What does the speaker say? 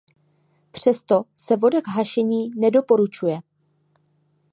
Přesto se voda k hašení nedoporučuje.